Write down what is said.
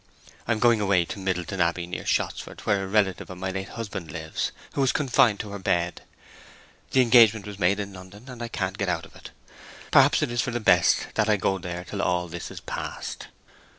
I am going away to Middleton Abbey, near Shottsford, where a relative of my late husband lives, who is confined to her bed. The engagement was made in London, and I can't get out of it. Perhaps it is for the best that I go there till all this is past.